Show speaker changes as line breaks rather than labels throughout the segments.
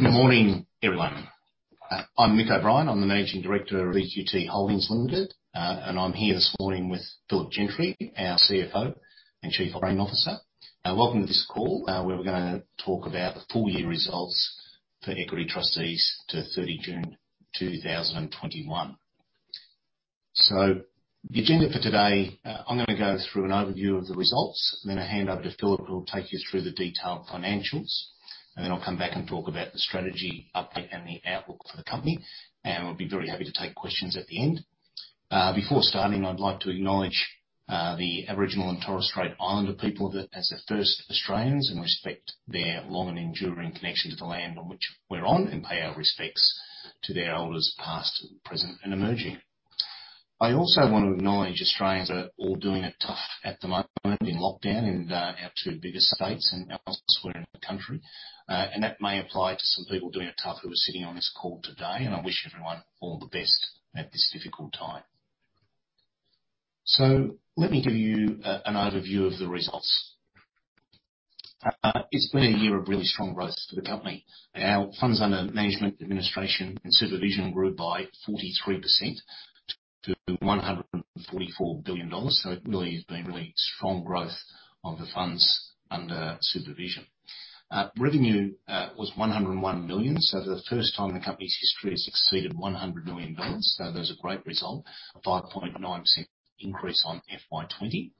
Good morning, everyone. I'm Mick O'Brien. I'm the Managing Director of EQT Holdings Limited. I'm here this morning with Philip Gentry, our CFO and Chief Operating Officer. Welcome to this call, where we're going to talk about the full year results for Equity Trustees to 30th June 2021. The agenda for today, I'm going to go through an overview of the results and then hand over to Philip, who will take you through the detailed financials. Then I'll come back and talk about the strategy update and the outlook for the company. We'll be very happy to take questions at the end. Before starting, I'd like to acknowledge, the Aboriginal and Torres Strait Islander people as the first Australians and respect their long and enduring connection to the land on which we're on, and pay our respects to their elders, past, present, and emerging. I also want to acknowledge Australians are all doing it tough at the moment in lockdown in our two biggest states and elsewhere in the country. That may apply to some people doing it tough who are sitting on this call today, and I wish everyone all the best at this difficult time. Let me give you an overview of the results. It's been a year of really strong growth for the company. Our funds under management, administration, and supervision grew by 43% to AUD 144 billion. It really has been really strong growth of the funds under supervision. Revenue was AUD 101 million. The first time in the company's history has exceeded AUD 100 million, so that was a great result. A 5.9% increase on FY20.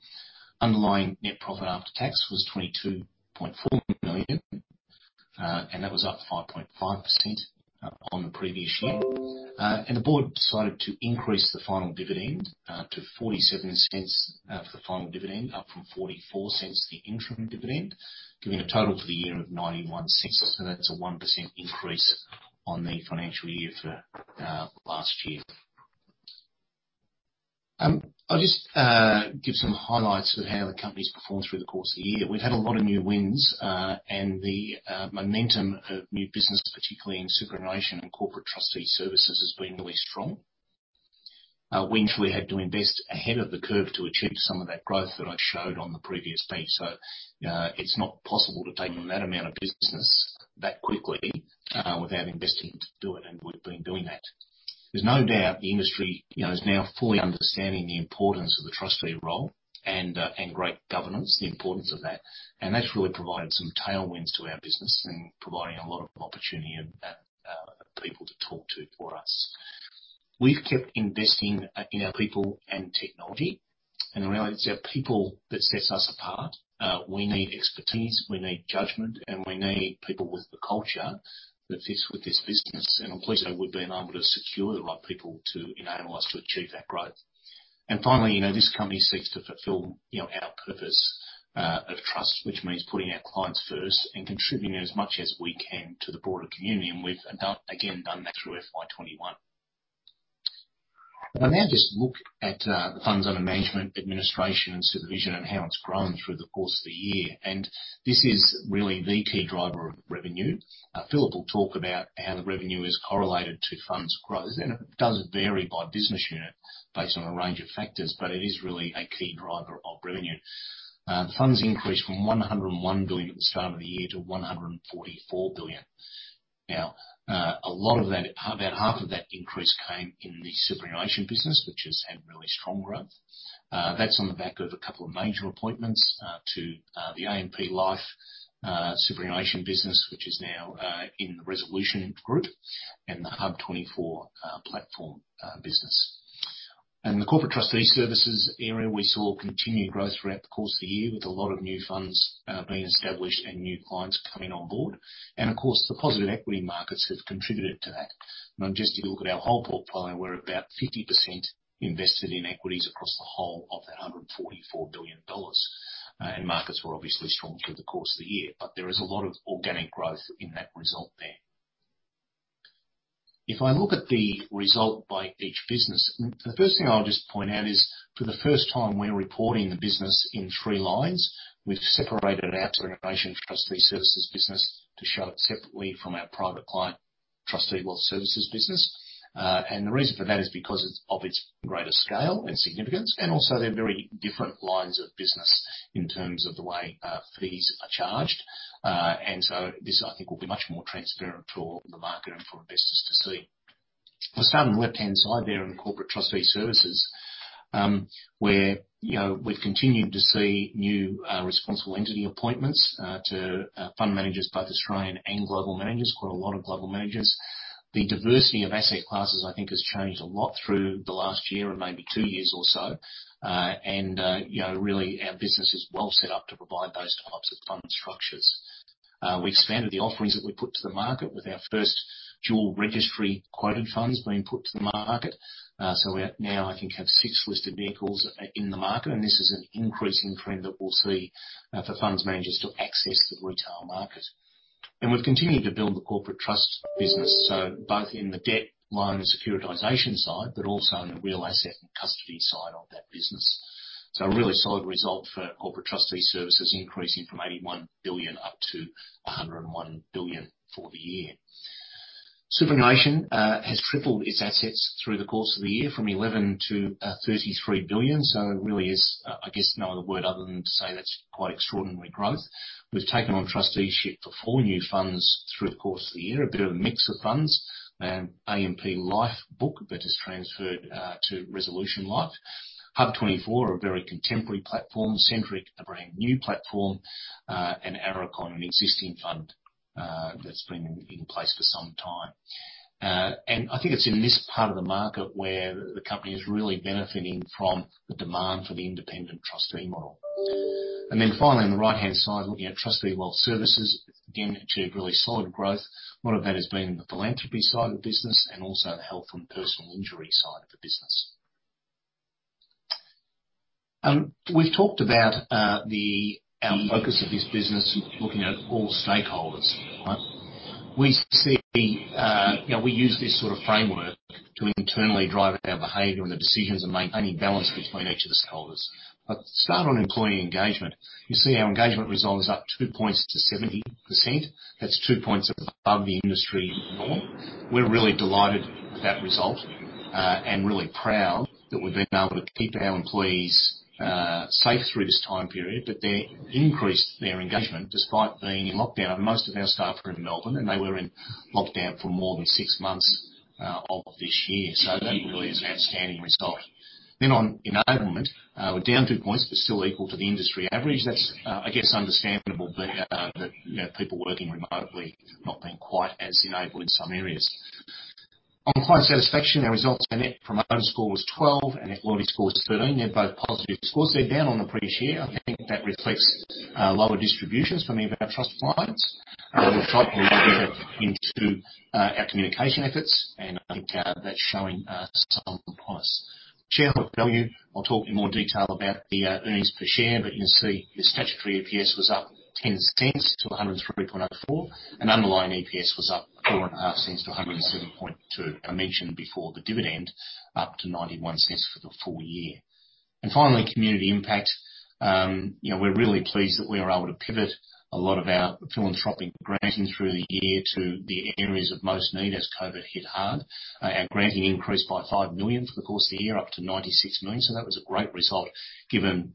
Underlying net profit after tax was 22.4 million, and that was up 5.5% on the previous year. The board decided to increase the final dividend to 0.47 for the final dividend, up from 0.44 the interim dividend, giving a total for the year of 0.91. That's a 1% increase on the financial year for last year. I'll just give some highlights of how the company's performed through the course of the year. We've had a lot of new wins, and the momentum of new business, particularly in superannuation and Corporate Trustee Services, has been really strong. We actually had to invest ahead of the curve to achieve some of that growth that I showed on the previous page. It's not possible to take on that amount of business that quickly without investing to do it, and we've been doing that. There's no doubt the industry is now fully understanding the importance of the trustee role and great governance, the importance of that. That's really provided some tailwinds to our business and providing a lot of opportunity and people to talk to for us. We've kept investing in our people and technology, and really it's our people that sets us apart. We need expertise, we need judgment, and we need people with the culture that fits with this business. I'm pleased that we've been able to secure the right people to enable us to achieve that growth. Finally, this company seeks to fulfill our purpose of trust, which means putting our clients first and contributing as much as we can to the broader community, and we've again done that through FY21. I'll now just look at the funds under management, administration, and supervision and how it's grown through the course of the year. This is really the key driver of revenue. Philip will talk about how the revenue is correlated to funds growth. It does vary by business unit based on a range of factors, but it is really a key driver of revenue. Funds increased from 101 billion at the start of the year to 144 billion. A lot of that, about half of that increase came in the superannuation business, which has had really strong growth. That's on the back of a couple of major appointments to the AMP Life superannuation business, which is now in the Resolution Life and the HUB24 Platform Business. In the Corporate Trustee Services area, we saw continued growth throughout the course of the year with a lot of new funds being established and new clients coming on board. Of course, the positive equity markets have contributed to that. Just if you look at our whole portfolio, we're about 50% invested in equities across the whole of that 144 billion dollars. Markets were obviously strong through the course of the year. There is a lot of organic growth in that result there. If I look at the result by each business, the first thing I'll just point out is for the first time, we're reporting the business in three lines. We've separated our superannuation trustee services business to show it separately from our private client trustee wealth services business. The reason for that is because of its greater scale and significance, and also they're very different lines of business in terms of the way fees are charged. This, I think, will be much more transparent for the market and for investors to see. If I start on the left-hand side there in Corporate Trustee Services, where we've continued to see new responsible entity appointments to fund managers, both Australian and global managers, quite a lot of global managers. The diversity of asset classes, I think, has changed a lot through the last year or maybe two years or so. Really our business is well set up to provide those types of fund structures. We expanded the offerings that we put to the market with our first dual registry quoted funds being put to the market. We now I think have six listed vehicles in the market, and this is an increasing trend that we'll see for funds managers to access the retail market. We've continued to build the corporate trust business, both in the debt loan and securitization side, but also in the real asset and custody side of that business. A really solid result for Corporate Trustee Services, increasing from 81 billion up to 101 billion for the year. Superannuation has tripled its assets through the course of the year from 11 billion to 33 billion. It really is, I guess, no other word other than to say that's quite extraordinary growth. We've taken on trusteeship for four new funds through the course of the year. A bit of a mix of funds, an AMP Life book that has transferred to Resolution Life. HUB24, a very contemporary platform. Centric, a brand-new platform. Aracon, kind of an existing fund that's been in place for some time. I think it's in this part of the market where the company is really benefiting from the demand for the independent trustee model. Finally, on the right-hand side, looking at Trustee & Wealth Services. Again, achieved really solid growth. A lot of that has been in the philanthropy side of the business and also the health and personal injury side of the business. We've talked about our focus of this business, looking at all stakeholders. We use this sort of framework to internally drive our behavior and the decisions in maintaining balance between each of the stakeholders. I'll start on employee engagement. You see our engagement result is up 2 points to 70%. That's 2 points above the industry norm. We're really delighted with that result, and really proud that we've been able to keep our employees safe through this time period, But they increased their engagement despite being in lockdown, and most of our staff are in Melbourne, and they were in lockdown for more than six months of this year. That really is an outstanding result. On enablement, we're down 2 points. We're still equal to the industry average. That's, I guess, understandable. People working remotely not being quite as enabled in some areas. On client satisfaction, our results, our Net Promoter Score was 12, our Net Loyalty Score was 13. They're both positive scores. They're down on the previous year. I think that reflects lower distributions from any of our trust clients. We've tried to build that into our communication efforts, and I think that's showing some promise. Shareholder value, I'll talk in more detail about the earnings per share, but you can see the statutory EPS was up 0.10-103.04, and underlying EPS was up 0.045-107.2. I mentioned before the dividend up to 0.91 for the full year. Finally, community impact. We're really pleased that we were able to pivot a lot of our philanthropic granting through the year to the areas of most need as COVID hit hard. Our granting increased by 5 million for the course of the year, up to 96 million. That was a great result given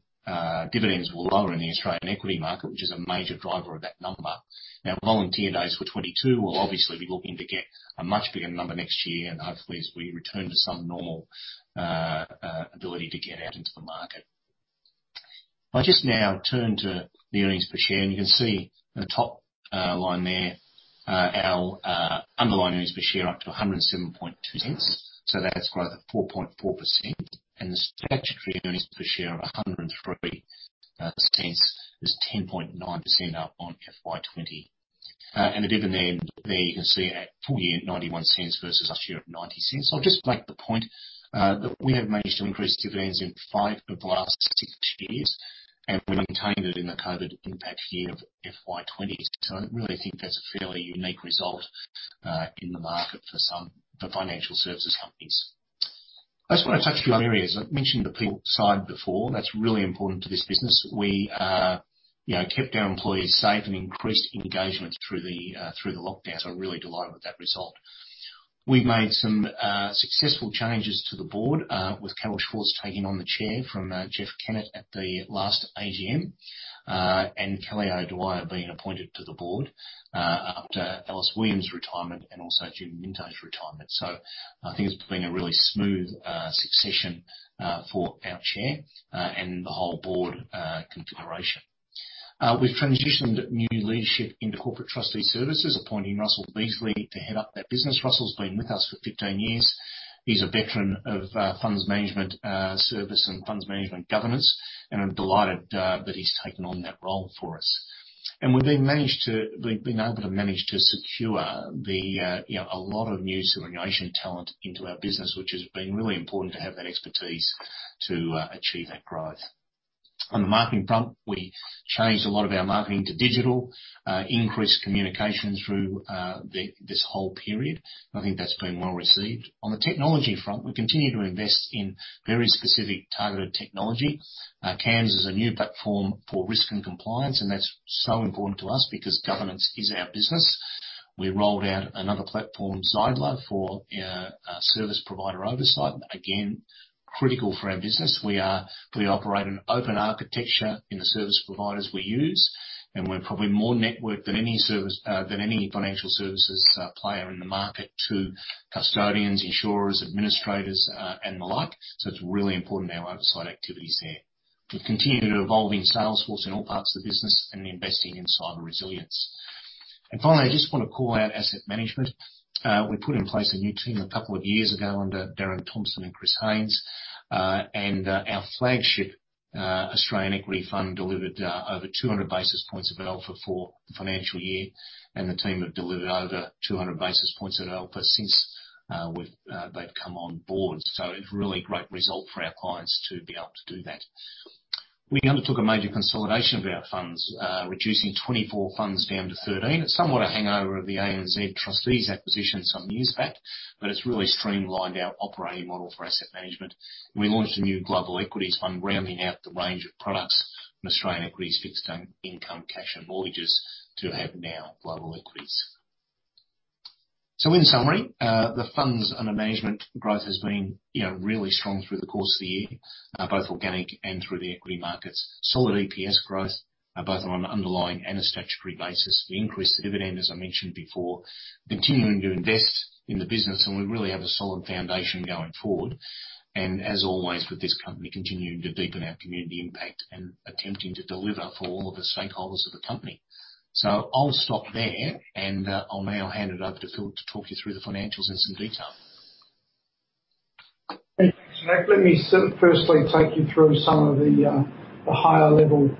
dividends were lower in the Australian equity market, which is a major driver of that number. Volunteer days were 22. We'll obviously be looking to get a much bigger number next year and hopefully as we return to some normal ability to get out into the market. I'll just now turn to the earnings per share. You can see the top line there, our underlying earnings per share up to 1.072. That's growth of 4.4%, and the statutory earnings per share of 1.03 is 10.9% up on FY 2020. The dividend there you can see at full year 0.91 versus last year of 0.90. I'll just make the point that we have managed to increase dividends in five of the last six years, and we maintained it in the COVID impact year of FY 2020. I really think that's a fairly unique result in the market for financial services companies. I just want to touch a few areas. I mentioned the people side before. That's really important to this business. We kept our employees safe and increased engagement through the lockdowns. I'm really delighted with that result. We've made some successful changes to the board, with Carol Schwartz taking on the chair from Jeff Kennett at the last AGM, and Kelly O'Dwyer being appointed to the board, after Alice Williams' retirement and also Judy Minto's retirement. I think it's been a really smooth succession for our chair and the whole board configuration. We've transitioned new leadership into Corporate Trustee Services, appointing Russell Beasley to head up that business. Russell's been with us for 15 years. He's a veteran of funds management service and funds management governance, and I'm delighted that he's taken on that role for us. We've been able to manage to secure a lot of new superannuation talent into our business, which has been really important to have that expertise to achieve that growth. On the marketing front, we changed a lot of our marketing to digital, increased communication through this whole period. I think that's been well received. On the technology front, we continue to invest in very specific targeted technology. Camms is a new platform for risk and compliance, and that's so important to us because governance is our business. We rolled out another platform, Zeidler, for our service provider oversight. Again, critical for our business. We operate an open architecture in the service providers we use, and we're probably more networked than any financial services player in the market to custodians, insurers, administrators, and the like. It's really important our oversight activity is there. We've continued evolving Salesforce in all parts of the business and investing in cyber resilience. Finally, I just want to call out asset management. We put in place a new team a couple of years ago under Darren Thompson and Chris Haynes. Our flagship Australian equity fund delivered over 200 basis points of alpha for the financial year, and the team have delivered over 200 basis points of alpha since they've come on board. A really great result for our clients to be able to do that. We undertook a major consolidation of our funds, reducing 24 funds down to 13. It's somewhat a hangover of the ANZ Trustees acquisition some years back. It's really streamlined our operating model for asset management. We launched a new global equities fund, rounding out the range of products from Australian equities fixed income, cash, and mortgages to have now global equities. In summary, the funds under management growth has been really strong through the course of the year, both organic and through the equity markets. Solid EPS growth, both on an underlying and a statutory basis. We increased the dividend, as I mentioned before, continuing to invest in the business, and we really have a solid foundation going forward. As always, with this company, continuing to deepen our community impact and attempting to deliver for all of the stakeholders of the company. I'll stop there and I'll now hand it over to Philip to talk you through the financials in some detail.
Thanks, Mick. Let me firstly take you through some of the higher level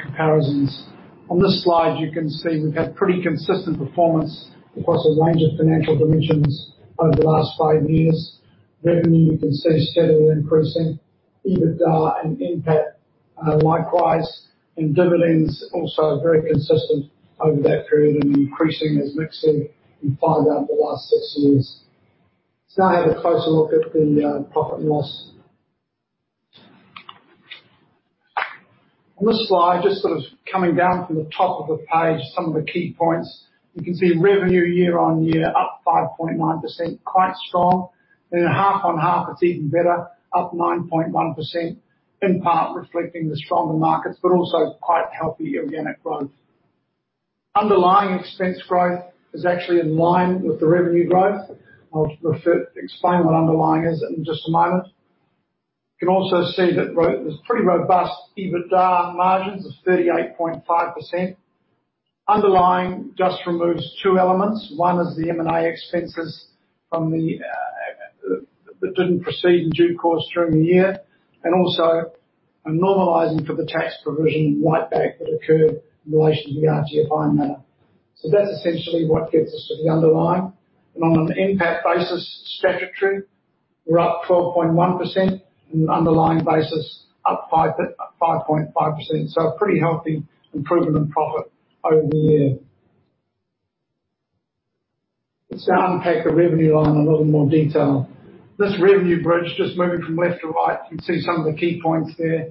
comparisons. On this slide, you can see we've had pretty consistent performance across a range of financial dimensions over the last five years. Revenue, you can see steadily increasing. EBITDA and NPAT, likewise, and dividends also very consistent over that period and increasing, as Mick said, in FY over the last six years. Let's now have a closer look at the profit and loss. On this slide, just sort of coming down from the top of the page, some of the key points. You can see revenue year-on-year up 5.9%, quite strong. Half-on-half it's even better, up 9.1%, in part reflecting the stronger markets, but also quite healthy organic growth. Underlying expense growth is actually in line with the revenue growth. I'll explain what underlying is in just a moment. You can also see that there's pretty robust EBITDA margins of 38.5%. Underlying just removes two elements. One is the M&A expenses that didn't proceed in due course during the year, and also a normalizing for the tax provision write-back that occurred in relation to the RGFI matter. That's essentially what gets us to the underlying. On an NPAT basis, statutory, we're up 12.1% and underlying basis up 5.5%. A pretty healthy improvement in profit over the year. Let's now unpack the revenue line in a little more detail. This revenue bridge just moving from left to right, you can see some of the key points there.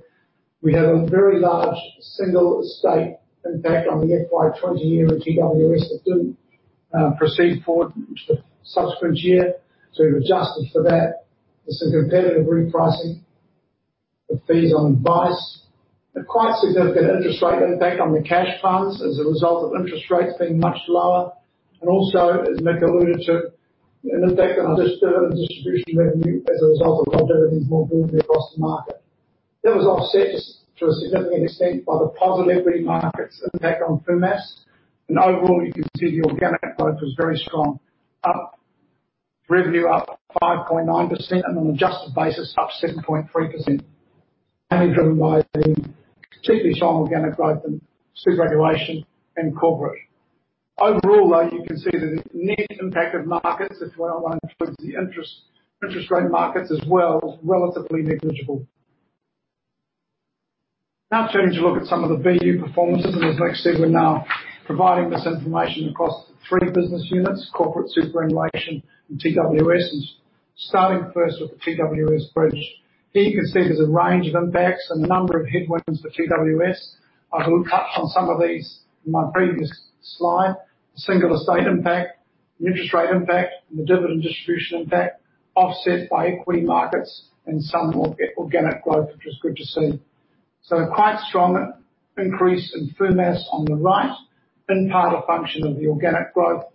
We have a very large single estate impact on the FY 2020 year of TWS that didn't proceed forward into the subsequent year, so we've adjusted for that. There's some competitive repricing of fees on advice. A quite significant interest rate impact on the cash funds as a result of interest rates being much lower, and also, as Mick O'Brien alluded to, an impact on our dividend distribution revenue as a result of low dividends more broadly across the market. That was offset to a significant extent by the positive equity markets impact on FUMAS. Overall, you can see the organic growth was very strong. Revenue up 5.9% and on an adjusted basis up 7.3%, mainly driven by the particularly strong organic growth in superannuation and corporate. Overall, though, you can see that the net impact of markets, if we don't want to include the interest rate markets as well, is relatively negligible. Now turning to look at some of the BU performances, and as Mick said, we're now providing this information across three business units, corporate, superannuation, and TWS. Starting first with the TWS bridge. Here you can see there's a range of impacts and a number of headwinds for TWS. I've touched on some of these in my previous slide. The single estate impact, the interest rate impact, and the dividend distribution impact offset by equity markets and some organic growth, which is good to see. Quite strong increase in FUMAS on the right, in part a function of the organic growth,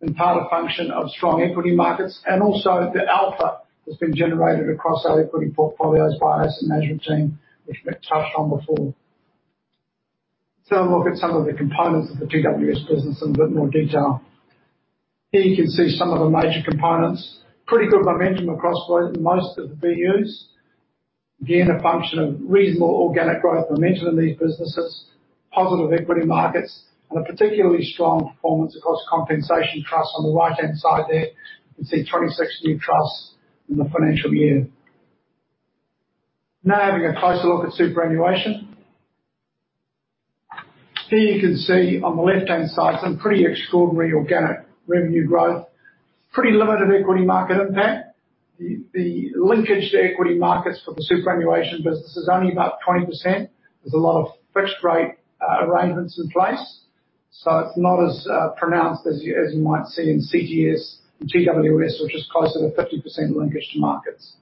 in part a function of strong equity markets, and also the alpha that's been generated across our equity portfolios by our asset management team, which Mick touched on before. Let's have a look at some of the components of the TWS business in a bit more detail. Here you can see some of the major components. Pretty good momentum across most of the BUs. Again, a function of reasonable organic growth momentum in these businesses, positive equity markets, and a particularly strong performance across compensation trusts on the right-hand side there. You can see 26 new trusts in the financial year. Now having a closer look at superannuation. Here you can see on the left-hand side some pretty extraordinary organic revenue growth. Pretty limited equity market impact. The linkage to equity markets for the superannuation business is only about 20%. There's a lot of fixed rate arrangements in place. It's not as pronounced as you might see in CTS and TWS, which is closer to 50% linkage to markets.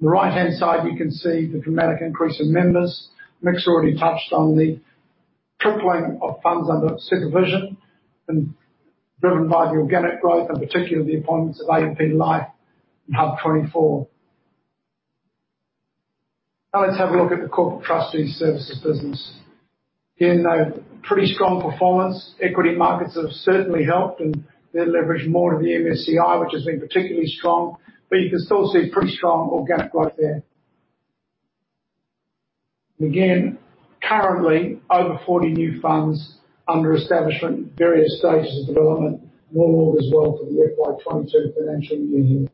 On the right-hand side, we can see the dramatic increase in members. Mick's already touched on the tripling of funds under supervision and driven by the organic growth, and particularly the appointments of AMP Life and HUB24. Let's have a look at the corporate trustee services business. Pretty strong performance. Equity markets have certainly helped, and they're leveraged more to the MSCI, which has been particularly strong. You can still see pretty strong organic growth there. Currently over 40 new funds under establishment in various stages of development, more as well for the FY22 financial year.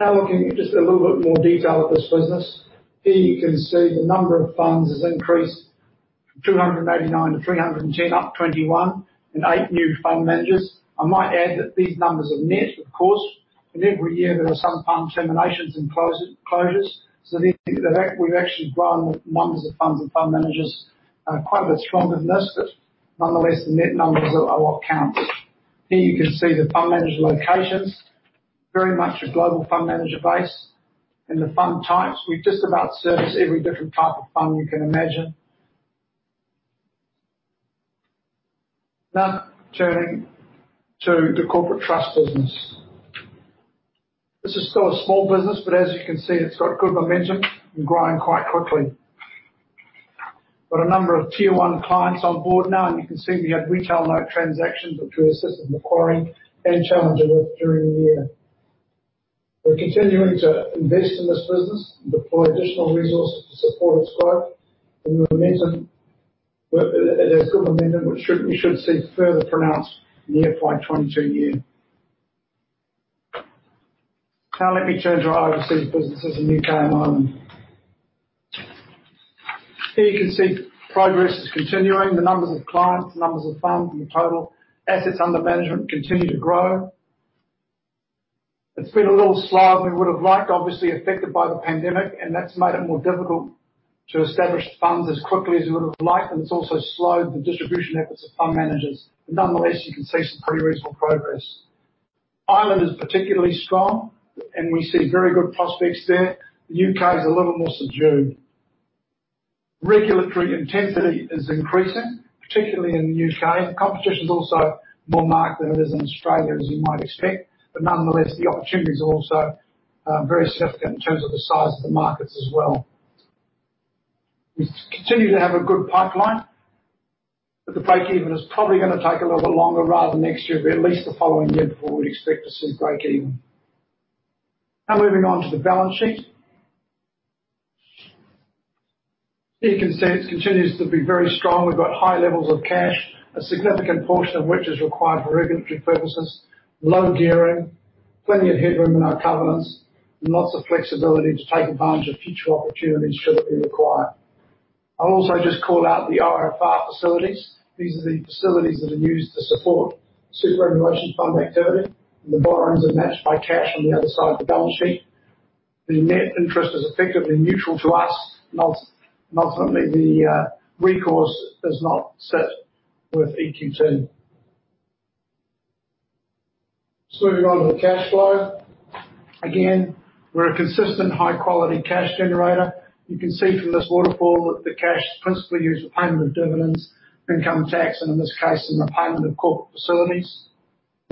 Looking at just a little bit more detail of this business. Here you can see the number of funds has increased from 289 to 310, up 21, and 8 new fund managers. I might add that these numbers are net, of course, and every year there are some fund terminations and closures. We've actually grown the numbers of funds and fund managers quite a bit stronger than this, but nonetheless, the net numbers are what counts. The fund manager locations, very much a global fund manager base. The fund types, we just about service every different type of fund you can imagine. Turning to the Corporate Trust business. This is still a small business, but as you can see, it's got good momentum and growing quite quickly. Got a number of tier one clients on board now, and you can see we had retail note transactions which we assisted Macquarie and Challenger with during the year. We're continuing to invest in this business and deploy additional resources to support its growth and momentum. It has good momentum, which we should see further pronounced in the FY 2022 year. Let me turn to our overseas businesses in the U.K. and Ireland. Here you can see progress is continuing. The numbers of clients, the numbers of funds, and the total assets under management continue to grow. It's been a little slower than we would've liked, obviously affected by the pandemic, and that's made it more difficult to establish funds as quickly as we would've liked, and it's also slowed the distribution efforts of fund managers. Nonetheless, you can see some pretty reasonable progress. Ireland is particularly strong, and we see very good prospects there. The U.K. is a little more subdued. Regulatory intensity is increasing, particularly in the U.K. Competition is also more marked than it is in Australia, as you might expect. Nonetheless, the opportunities are also very significant in terms of the size of the markets as well. We continue to have a good pipeline, but the break-even is probably going to take a little bit longer, rather than next year, but at least the following year before we'd expect to see break-even. Moving on to the balance sheet. Here you can see it continues to be very strong. We've got high levels of cash, a significant portion of which is required for regulatory purposes, low gearing, plenty of headroom in our covenants, and lots of flexibility to take advantage of future opportunities should it be required. I'll also just call out the IOOF facilities. These are the facilities that are used to support superannuation fund activity, and the borrowings are matched by cash on the other side of the balance sheet. The net interest is effectively neutral to us. Ultimately, the recourse does not sit with EQT. Moving on to the cash flow. Again, we're a consistent high-quality cash generator. You can see from this waterfall that the cash is principally used for payment of dividends, income tax, and in this case, in the payment of corporate facilities.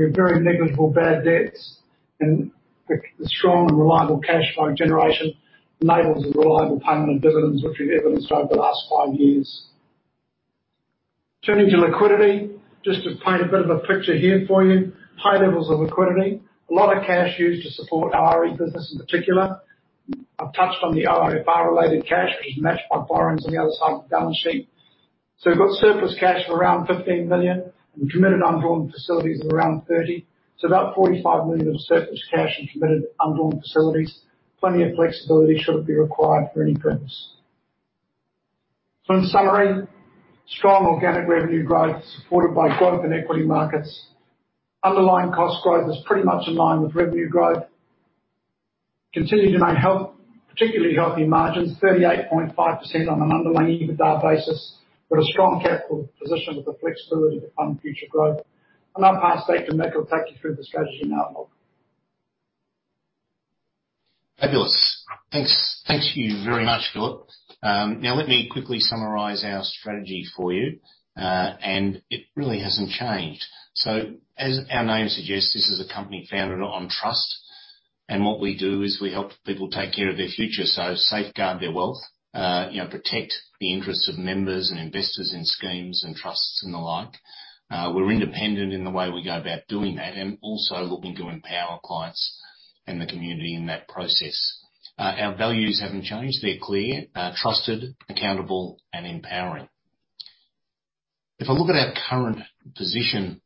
We have very negligible bad debts. The strong and reliable cash flow generation enables the reliable payment of dividends, which we've evidenced over the last five years. Turning to liquidity, just to paint a bit of a picture here for you. High levels of liquidity. A lot of cash used to support our RE business in particular. I've touched on the IOOF-related cash, which is matched by borrowings on the other side of the balance sheet. We've got surplus cash of around 15 million and committed undrawn facilities of around 30. About 45 million of surplus cash and committed undrawn facilities. Plenty of flexibility should it be required for any purpose. In summary, strong organic revenue growth supported by growth in equity markets. Underlying cost growth is pretty much in line with revenue growth. Continue to make particularly healthy margins, 38.5% on an underlying EBITDA basis, with a strong capital position with the flexibility to fund future growth. I'll pass over to Mick, who'll take you through the strategy and outlook.
Fabulous. Thanks to you very much, Philip. Now let me quickly summarize our strategy for you. It really hasn't changed. As our name suggests, this is a company founded on trust, and what we do is we help people take care of their future. Safeguard their wealth, protect the interests of members and investors in schemes and trusts and the like. We're independent in the way we go about doing that and also looking to empower clients and the community in that process. Our values haven't changed. They're clear, trusted, accountable, and empowering. If I look at our current position,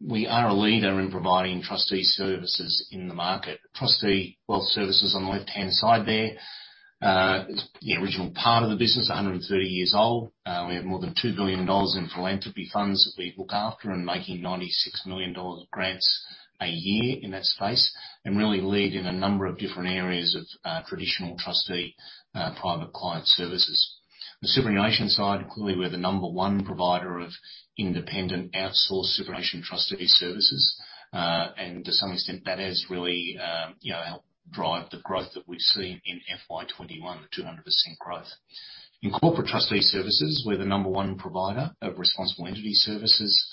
we are a leader in providing trustee services in the market. Trustee & Wealth Services on the left-hand side there, the original part of the business, 130 years old. We have more than 2 billion dollars in philanthropy funds that we look after and making 96 million dollars of grants a year in that space, really lead in a number of different areas of traditional trustee private client services. The superannuation side, clearly we're the number one provider of independent outsourced superannuation trustee services. To some extent, that has really helped drive the growth that we've seen in FY21, the 200% growth. In Corporate Trustee Services, we're the number one provider of responsible entity services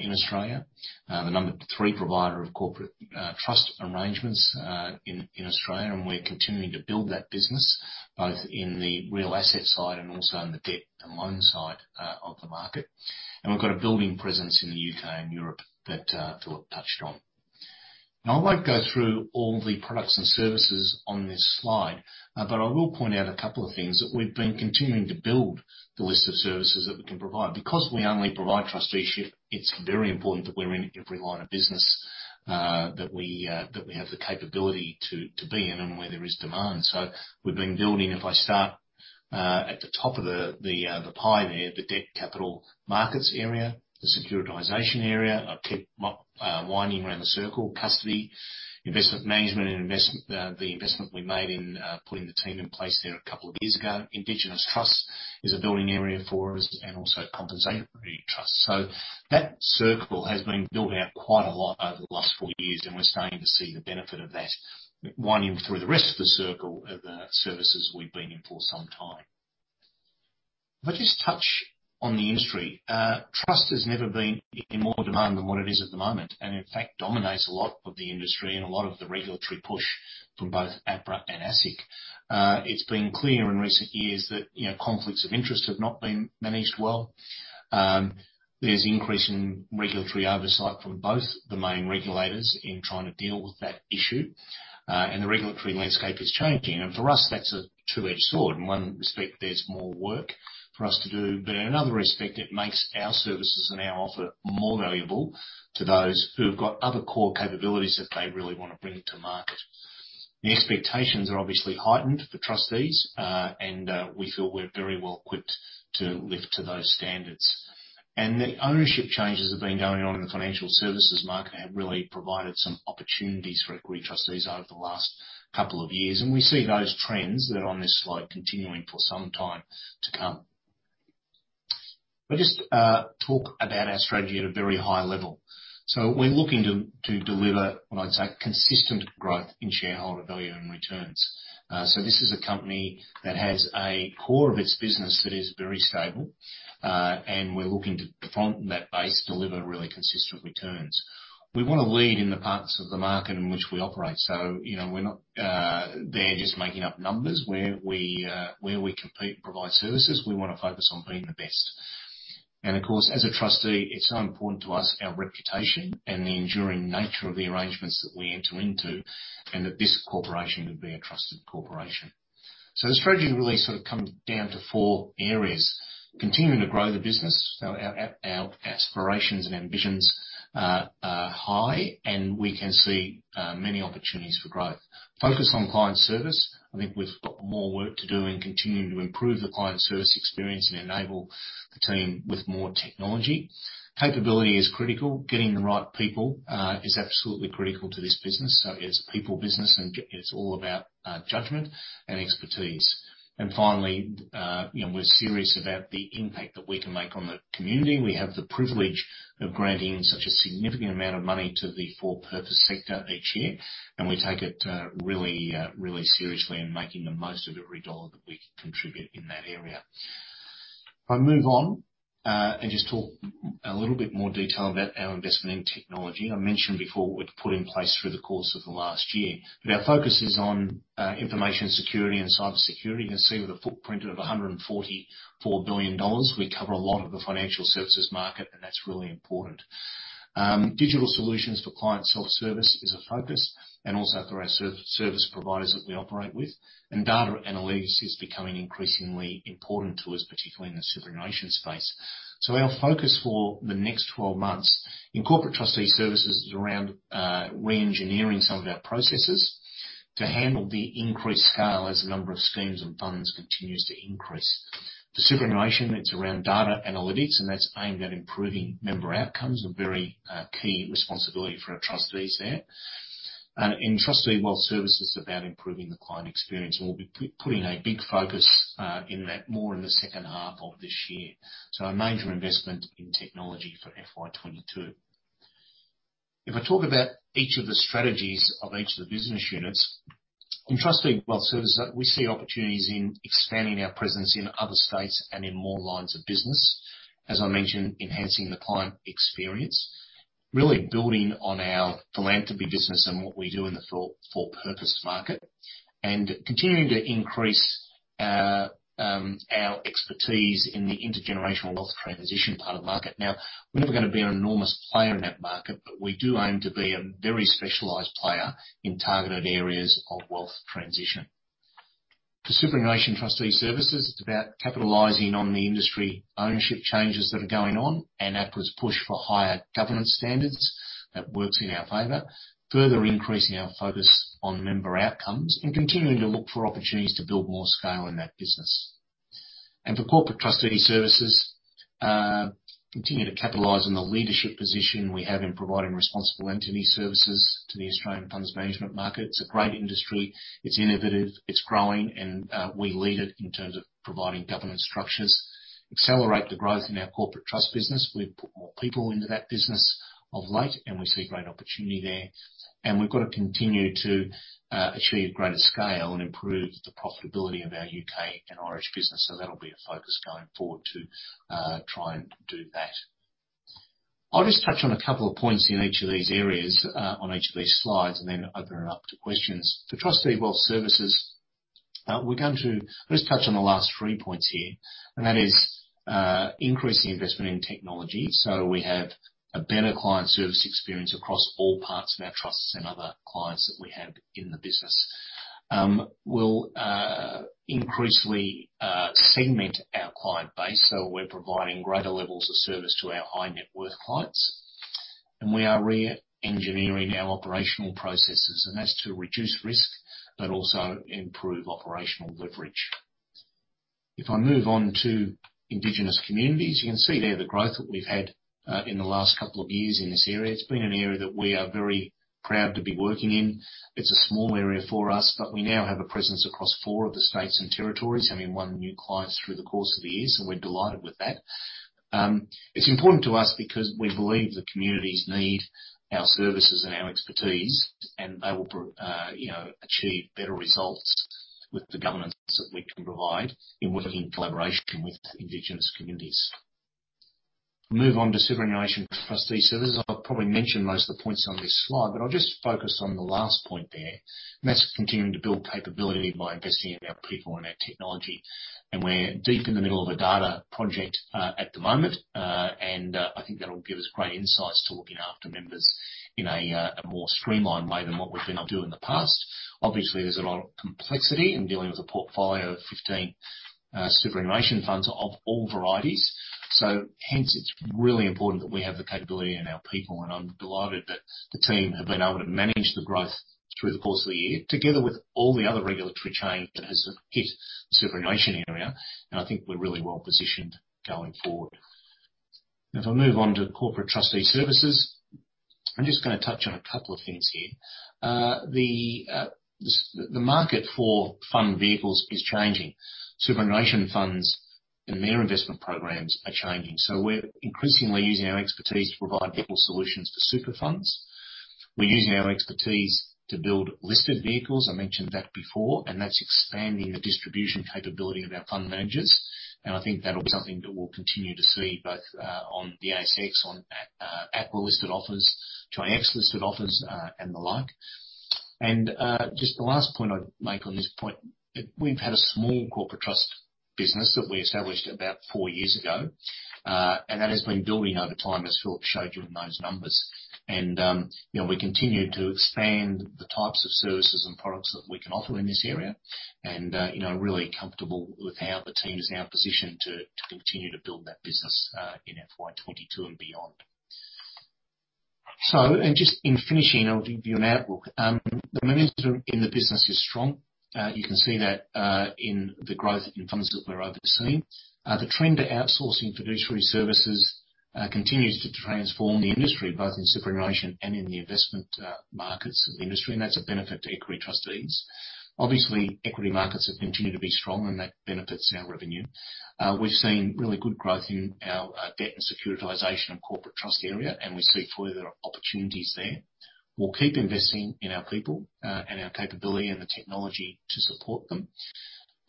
in Australia, the number three provider of corporate trust arrangements in Australia, we're continuing to build that business, both in the real asset side and also in the debt and loan side of the market. We've got a building presence in the U.K. and Europe that Philip touched on. I won't go through all the products and services on this slide, but I will point out a couple of things that we've been continuing to build the list of services that we can provide. We only provide trusteeship, it's very important that we're in every line of business that we have the capability to be in and where there is demand. We've been building, if I start at the top of the pie there, the debt capital markets area, the securitization area. I keep winding around the circle. Custody, investment management, and the investment we made in putting the team in place there a couple of years ago. Indigenous trust is a building area for us, and also compensatory trust. That circle has been built out quite a lot over the last four years, and we're starting to see the benefit of that. Winding through the rest of the circle are the services we've been in for some time. If I just touch on the industry. Trust has never been in more demand than what it is at the moment, and in fact, dominates a lot of the industry and a lot of the regulatory push from both APRA and ASIC. It's been clear in recent years that conflicts of interest have not been managed well. There's increase in regulatory oversight from both the main regulators in trying to deal with that issue, and the regulatory landscape is changing. For us, that's a two-edged sword. In one respect, there's more work for us to do, but in another respect, it makes our services and our offer more valuable to those who've got other core capabilities that they really want to bring to market. The expectations are obviously heightened for trustees, and we feel we're very well equipped to live to those standards. The ownership changes that have been going on in the financial services market have really provided some opportunities for Equity Trustees over the last couple of years, and we see those trends that are on this slide continuing for some time to come. If I just talk about our strategy at a very high level. We're looking to deliver what I'd say consistent growth in shareholder value and returns. This is a company that has a core of its business that is very stable, and we're looking to, from that base, deliver really consistent returns. We want to lead in the parts of the market in which we operate. We're not there just making up numbers. Where we compete and provide services, we want to focus on being the best. Of course, as a trustee, it's so important to us our reputation and the enduring nature of the arrangements that we enter into, and that this corporation would be a trusted corporation. The strategy really sort of comes down to four areas. Continuing to grow the business. Our aspirations and ambitions are high, and we can see many opportunities for growth. Focus on client service. I think we've got more work to do in continuing to improve the client service experience and enable the team with more technology. Capability is critical. Getting the right people is absolutely critical to this business. It's a people business, and it's all about judgment and expertise. Finally, we're serious about the impact that we can make on the community. We have the privilege of granting such a significant amount of money to the for-purpose sector each year, and we take it really seriously in making the most of every dollar that we contribute in that area. If I move on, and just talk a little bit more detail about our investment in technology. I mentioned before what we put in place through the course of the last year. Our focus is on information security and cybersecurity. You can see with a footprint of 144 billion dollars, we cover a lot of the financial services market, and that's really important. Digital solutions for client self-service is a focus, and also for our service providers that we operate with. Data analytics is becoming increasingly important to us, particularly in the superannuation space. Our focus for the next 12 months in Corporate Trustee Services is around re-engineering some of our processes to handle the increased scale as the number of schemes and funds continues to increase. For superannuation, it's around data analytics, and that's aimed at improving member outcomes, a very key responsibility for our trustees there. In Trustee & Wealth Services, it's about improving the client experience, and we'll be putting a big focus in that more in the second half of this year. A major investment in technology for FY 2022. If I talk about each of the strategies of each of the business units. In Trustee & Wealth Services, we see opportunities in expanding our presence in other states and in more lines of business. As I mentioned, enhancing the client experience. Building on our philanthropy business and what we do in the for-purpose market, and continuing to increase our expertise in the intergenerational wealth transition part of the market. We're never going to be an enormous player in that market, but we do aim to be a very specialized player in targeted areas of wealth transition. For Superannuation Trustee Services, it's about capitalizing on the industry ownership changes that are going on and APRA's push for higher governance standards. That works in our favor. Increasing our focus on member outcomes and continuing to look for opportunities to build more scale in that business. For Corporate Trustee Services, continue to capitalize on the leadership position we have in providing responsible entity services to the Australian funds management market. It's a great industry. It's innovative, it's growing, we lead it in terms of providing governance structures. Accelerate the growth in our corporate trust business. We've put more people into that business of late, and we see great opportunity there. We've got to continue to achieve greater scale and improve the profitability of our U.K. and Irish business, so that'll be a focus going forward to try and do that. I'll just touch on 2 points in each of these areas, on each of these slides, and then open it up to questions. For Trustee & Wealth Services, I'll just touch on the last 3 points here, and that is increasing investment in technology so we have a better client service experience across all parts of our trusts and other clients that we have in the business. We'll increasingly segment our client base, so we're providing greater levels of service to our high net worth clients. We are re-engineering our operational processes, and that's to reduce risk but also improve operational leverage. If I move on to indigenous communities, you can see there the growth that we've had in the last couple of years in this area. It's been an area that we are very proud to be working in. It's a small area for us, but we now have a presence across four of the states and territories, having won new clients through the course of the year, so we're delighted with that. It's important to us because we believe the communities need our services and our expertise, and they will achieve better results with the governance that we can provide in working in collaboration with indigenous communities. Move on to superannuation trustee services. I've probably mentioned most of the points on this slide, but I'll just focus on the last point there. That's continuing to build capability by investing in our people and our technology. We're deep in the middle of a data project at the moment, and I think that'll give us great insights to looking after members in a more streamlined way than what we've been able to do in the past. Obviously, there's a lot of complexity in dealing with a portfolio of 15 superannuation funds of all varieties. Hence it's really important that we have the capability in our people, and I'm delighted that the team have been able to manage the growth through the course of the year, together with all the other regulatory change that has hit the superannuation area, and I think we're really well positioned going forward. If I move on to Corporate Trustee Services, I'm just going to touch on a couple of things here. The market for fund vehicles is changing. Superannuation funds and their investment programs are changing. We're increasingly using our expertise to provide better solutions for super funds. We're using our expertise to build listed vehicles, I mentioned that before, and that's expanding the distribution capability of our fund managers. I think that'll be something that we'll continue to see both, on the ASX on APRA-listed offers, to ASX-listed offers, and the like. Just the last point I'd make on this point, we've had a small corporate trust business that we established about four years ago. That has been building over time, as Philip showed you in those numbers. We continue to expand the types of services and products that we can offer in this area and, really comfortable with how the team is now positioned to continue to build that business in FY22 and beyond. Just in finishing, I'll give you an outlook. The momentum in the business is strong. You can see that in the growth in funds that we're overseeing. The trend to outsourcing fiduciary services continues to transform the industry, both in superannuation and in the investment markets of the industry, and that's a benefit to Equity Trustees. Obviously, equity markets have continued to be strong, and that benefits our revenue. We've seen really good growth in our debt and securitization of corporate trust area, and we see further opportunities there. We'll keep investing in our people and our capability and the technology to support them.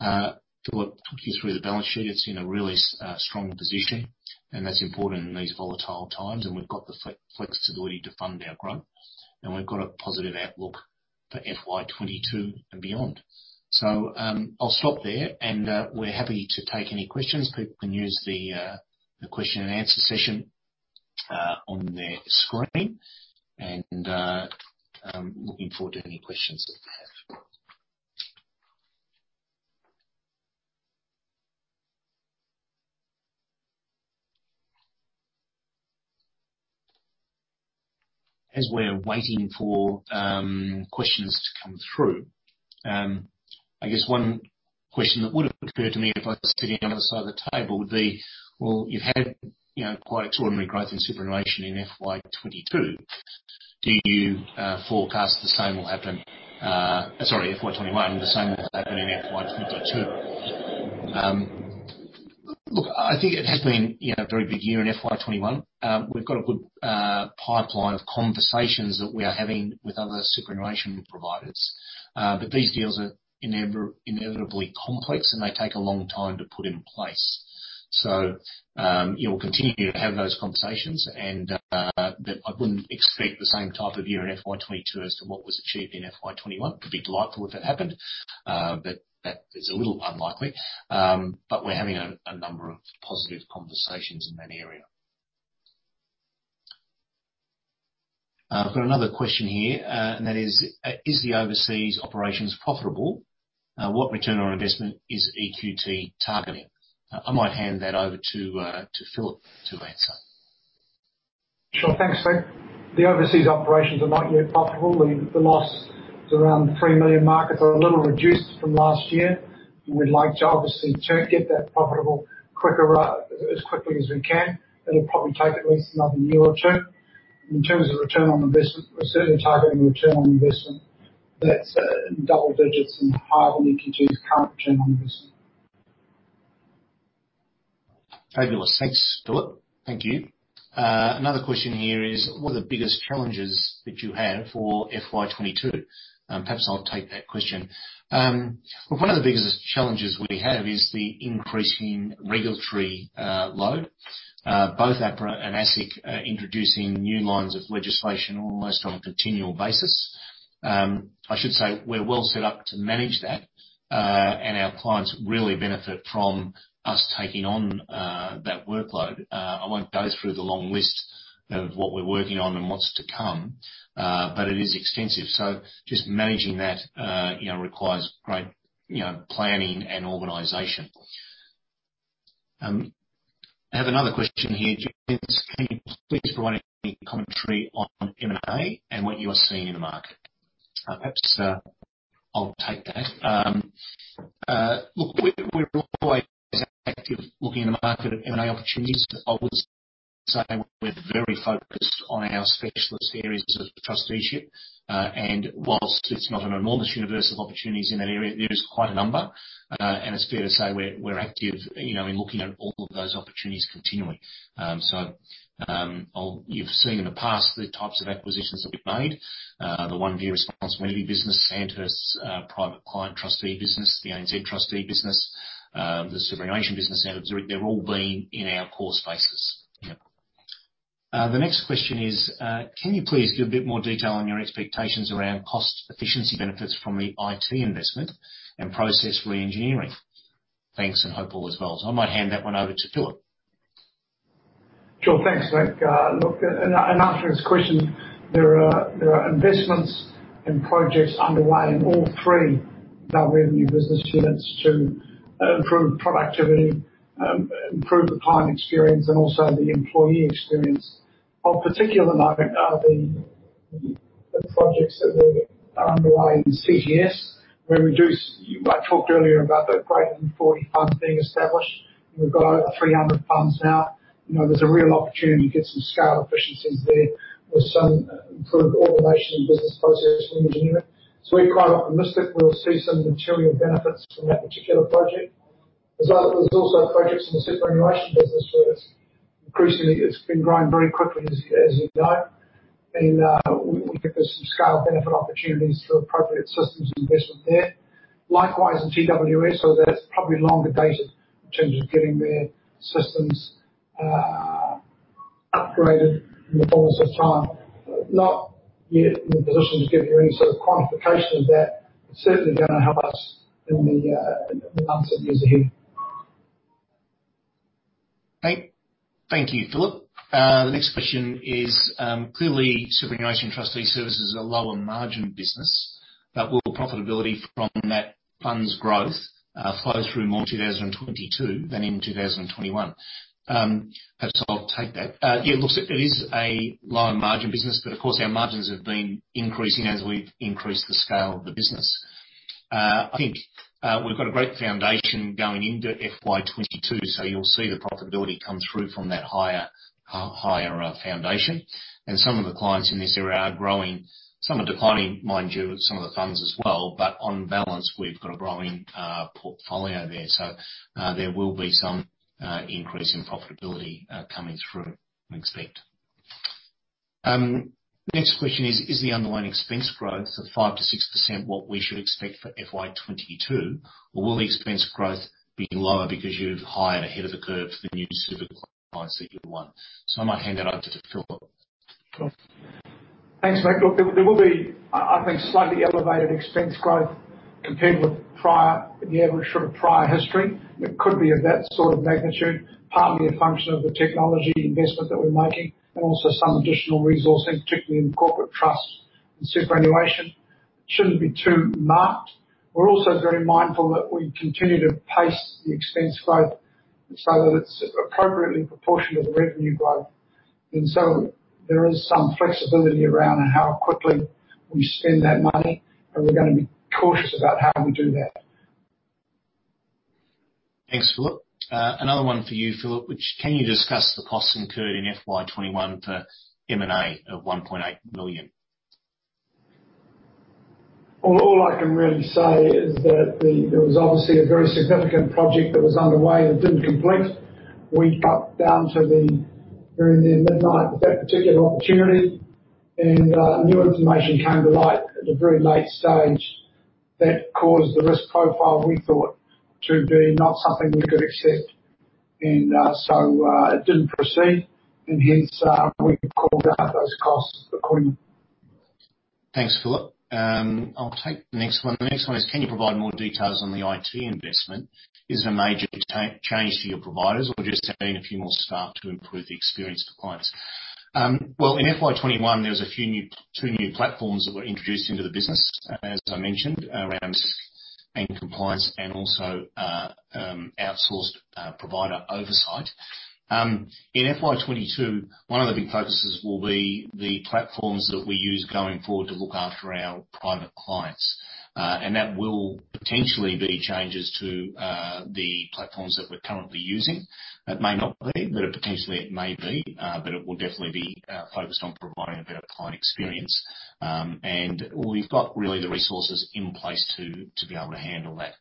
Philip took you through the balance sheet. It's in a really strong position, and that's important in these volatile times, and we've got the flexibility to fund our growth. We've got a positive outlook for FY22 and beyond. I'll stop there, and we're happy to take any questions. People can use the question and answer session on their screen. Looking forward to any questions that they have. As we're waiting for questions to come through, I guess one question that would have occurred to me if I was sitting on the other side of the table would be, well, you've had quite extraordinary growth in superannuation in FY22. Do you forecast the same will happen Sorry, FY21, the same will happen in FY22? Look, I think it has been a very big year in FY21. We've got a good pipeline of conversations that we are having with other superannuation providers. These deals are inevitably complex, and they take a long time to put in place. We'll continue to have those conversations and that I wouldn't expect the same type of year in FY 2022 as to what was achieved in FY 2021. Could be delightful if it happened, but that is a little unlikely. We're having a number of positive conversations in that area. I've got another question here. Is the overseas operations profitable? What return on investment is EQT targeting? I might hand that over to Philip to answer.
Sure. Thanks, Mick. The overseas operations are not yet profitable. The loss is around 3 million markets. They're a little reduced from last year. We'd like to obviously get that profitable as quickly as we can. It'll probably take at least another year or two. In terms of return on investment, we're certainly targeting a return on investment that's double digits and higher than EQT's current return on investment.
Fabulous. Thanks, Philip. Thank you. Another question here is: What are the biggest challenges that you have for FY22? Perhaps I'll take that question. Well, one of the biggest challenges we have is the increasing regulatory load. Both APRA and ASIC are introducing new lines of legislation almost on a continual basis. I should say we're well set up to manage that. Our clients really benefit from us taking on that workload. I won't go through the long list of what we're working on and what's to come, but it is extensive. Just managing that requires great planning and organization. I have another question here. "Can you please provide any commentary on M&A and what you are seeing in the market?" Perhaps I'll take that. Look, we're always active looking in the market at M&A opportunities. I would say we're very focused on our specialist areas of trusteeship. Whilst it's not an enormous universe of opportunities in that area, there is quite a number. It's fair to say we're active in looking at all of those opportunities continually. You've seen in the past the types of acquisitions that we've made. The OneVue responsible entity business, Sandhurst Trustees estates and trusts business, the ANZ Trustees business, the superannuation business, and they've all been in our core spaces. The next question is, "Can you please give a bit more detail on your expectations around cost efficiency benefits from the IT investment and process reengineering? Thanks, and hope all is well." I might hand that one over to Philip.
Sure. Thanks, Mick. In answer to this question, there are investments and projects underway in all three of our revenue business units to improve productivity, improve the client experience, and also the employee experience. Of particular note are the projects that are underway in CTS. Mick talked earlier about the greater than 40 funds being established. We've got over 300 funds now. There's a real opportunity to get some scale efficiencies there with some improved automation and business process reengineering. We're quite optimistic we'll see some material benefits from that particular project. There's also projects in the superannuation business where it's been growing very quickly, as you know. We think there's some scale benefit opportunities for appropriate systems investment there. Likewise, in TWS, although that's probably longer dated in terms of getting their systems upgraded in the fullness of time. Not yet in the position to give you any sort of quantification of that. It's certainly going to help us in the months and years ahead.
Thank you, Philip. The next question is, "Clearly, superannuation trustee service is a lower margin business, but will profitability from that fund's growth flow through more in 2022 than in 2021?" Perhaps I'll take that. Yeah, it is a lower margin business, but of course, our margins have been increasing as we've increased the scale of the business. I think we've got a great foundation going into FY 2022, so you'll see the profitability come through from that higher foundation. Some of the clients in this area are growing. Some are declining, mind you, some of the funds as well. On balance, we've got a growing portfolio there. There will be some increase in profitability coming through, we expect. The next question is, "Is the underlying expense growth of 5%-6% what we should expect for FY 2022? Will the expense growth be lower because you've hired ahead of the curve for the new super clients that you've won? I might hand that over to Philip. Philip.
Thanks, Mick. Look, there will be, I think, slightly elevated expense growth compared with the average sort of prior history. It could be of that sort of magnitude, partly a function of the technology investment that we're making and also some additional resourcing, particularly in Corporate Trust and superannuation. It shouldn't be too marked. We're also very mindful that we continue to pace the expense growth so that it's appropriately in proportion to the revenue growth. There is some flexibility around how quickly we spend that money, and we're going to be cautious about how we do that.
Thanks, Philip. Another one for you, Philip, which, "Can you discuss the costs incurred in FY21 for M&A of AUD 1.8 million?
All I can really say is that there was obviously a very significant project that was underway that didn't complete. We got down to the very near midnight with that particular opportunity, new information came to light at a very late stage that caused the risk profile we thought to be not something we could accept. It didn't proceed, and hence we called out those costs accordingly.
Thanks, Philip. I'll take the next one. The next one is, "Can you provide more details on the IT investment? Is it a major change to your providers or just adding a few more staff to improve the experience for clients?" Well, in FY21, there was two new platforms that were introduced into the business, as I mentioned, around compliance and also outsourced provider oversight. In FY22, one of the big focuses will be the platforms that we use going forward to look after our private clients. That will potentially be changes to the platforms that we're currently using. It may not be, but potentially it may be. It will definitely be focused on providing a better client experience. We've got really the resources in place to be able to handle that.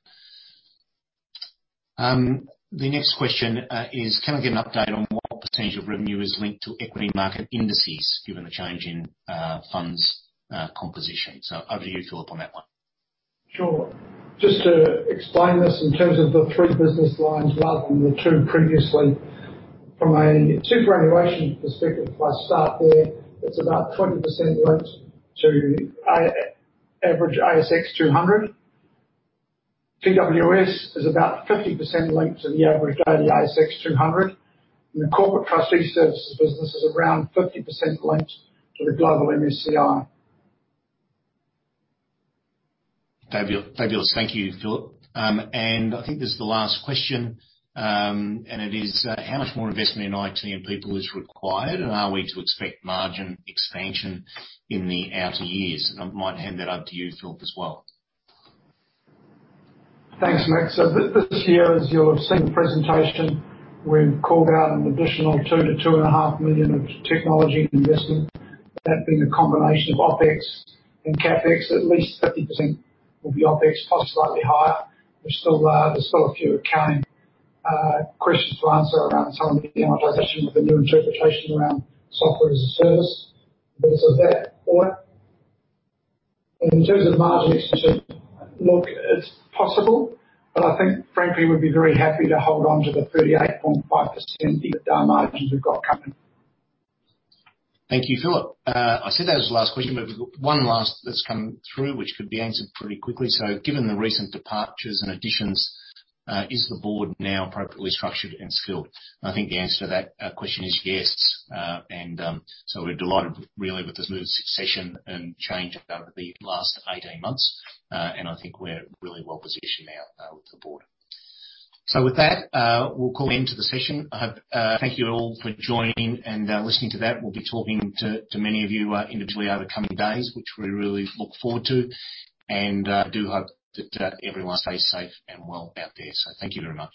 The next question is, "Can I get an update on what % of revenue is linked to equity market indices given the change in funds composition?" Over to you, Philip, on that one.
Sure. Just to explain this in terms of the 3 business lines rather than the two previously. From a TWS perspective, if I start there, it's about 20% linked to average ASX 200. PWS is about 50% linked to the average daily ASX 200, and the Corporate Trustee Services business is around 50% linked to the global MSCI.
Fabulous. Thank you, Philip. I think this is the last question, and it is: how much more investment in IT and people is required, and are we to expect margin expansion in the outer years? I might hand that up to you, Philip, as well.
Thanks, Mick O'Brien. This year, as you'll have seen in the presentation, we've called out an additional 2 million to 2.5 million of technology investment. That being a combination of OpEx and CapEx, at least 50% will be OpEx, possibly slightly higher. There's still a few accounting questions to answer around some of the amortization of the new interpretation around software as a service. It's at that point. In terms of margin expansion, it's possible, but I think frankly, we'd be very happy to hold onto the 38.5% EBITDA margins we've got coming.
Thank you, Philip. I said that was the last question, but we've got 1 last that's come through which could be answered pretty quickly. I think the answer to that question is yes. We're delighted really with the smooth succession and change over the last 18 months. I think we're really well-positioned now with the board. With that, we'll call an end to the session. Thank you all for joining and listening to that. We'll be talking to many of you individually over the coming days, which we really look forward to. I do hope that everyone stays safe and well out there. Thank you very much.